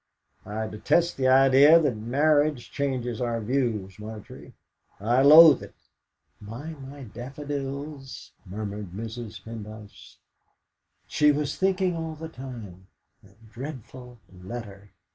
"I detest the idea that marriage changes our views, Margery; I loathe it." "Mind my daffodils!" murmured Mrs. Pendyce. She was thinking all the time: 'That dreadful letter!